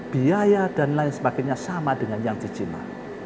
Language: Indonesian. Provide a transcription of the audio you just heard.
biaya dan lain sebagainya sama dengan yang di china